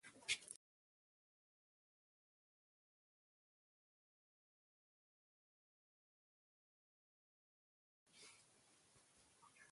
Koyɗe makko cewɗe e wooɗi darɗe.